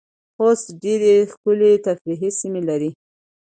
خوست ډیرې ښکلې تفریحې سیمې لرې